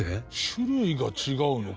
種類が違うの？